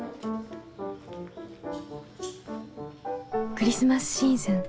クリスマスシーズン